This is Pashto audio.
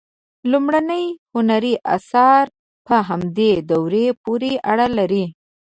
لومړني هنري آثار په همدې دورې پورې اړه لري.